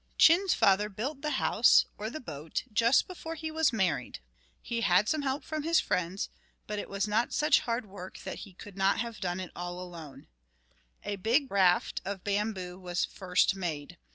Chin's father built the house, or the boat, just before he was married. He had some help from his friends, but it was not such hard work that he could not have done it all alone. A big raft of bamboo was first made.